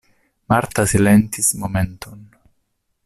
Marta silentis momenton.